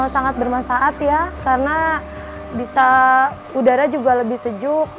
sangat bermanfaat ya karena bisa udara juga lebih sejuk